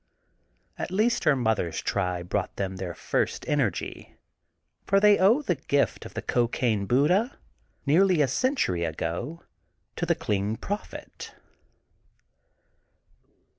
At least her mother's tribe brought them their first energy, for they owe the gift of the Cocaine Buddha, nearly a century ago, to the Kling Prophet.